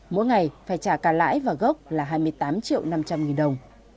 mỗi ngày phải trả cả lãi và gốc là hai mươi tám triệu năm trăm linh nghìn đồng